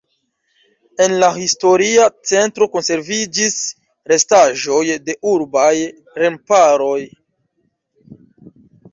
En la historia centro konserviĝis restaĵoj de urbaj remparoj.